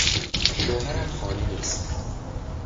شوهرم خانه نیست.